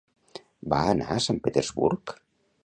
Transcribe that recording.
Va anar a Sant Petersburg?